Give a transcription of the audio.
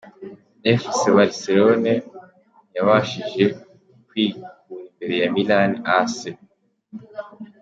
Efuse Bariselone ntiyabashije kwikura imbere Milani Ase